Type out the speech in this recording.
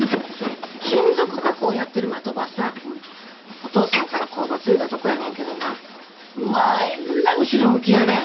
お父さんから工場継いだとこやねんけどなまあえっらい後ろ向きやねん。